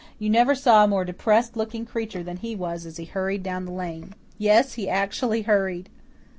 You never saw a more depressed looking creature than he was as he hurried down the lane. Yes, he actually hurried."